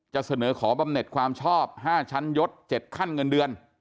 จะเสนอขอบำเน็ตความชอบ๕ชั้นยศ๗ขั้นเงินเดือน